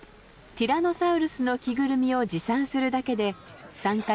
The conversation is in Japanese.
ティラノサウルスの着ぐるみを持参するだけで参加費は無料。